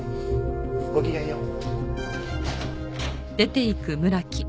ごきげんよう。